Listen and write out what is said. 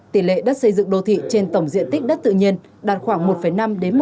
tỷ lệ đất xây dựng đô thị trên tổng diện tích đất tự nhiên đạt khoảng một năm một chín vào năm hai nghìn hai mươi năm